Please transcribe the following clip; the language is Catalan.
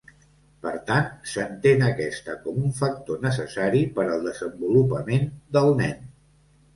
Per tant, s'entén aquesta com un factor necessari per al desenvolupament del nen.